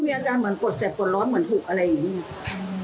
มีอาการเหมือนปวดแสบปวดร้อนเหมือนถูกอะไรอย่างนี้